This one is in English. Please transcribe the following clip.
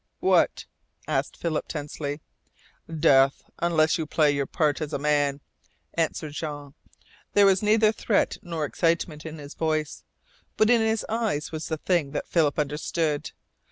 "What?" asked Philip tensely. "Death unless you play your part as a man," answered Jean. There was neither threat nor excitement in his voice, but in his eyes was the thing that Philip understood.